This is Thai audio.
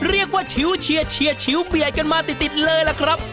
เรียกว่าเชียวเชียวเชียวเชียวเบียดกันมาติดเลยล่ะครับ